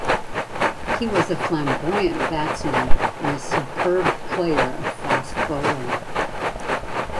He was a flamboyant batsman and superb player of fast bowling.